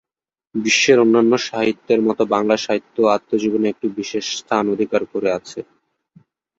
বিশ্বের অন্যান্য সাহিত্যের মতো বাংলা সাহিত্যেও আত্মজীবনী একটি বিশেষ স্থান অধিকার করে আছে।